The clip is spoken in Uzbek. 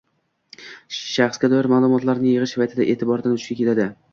shaxsga doir ma’lumotlarni yig‘ish paytidan e’tiboran vujudga keladi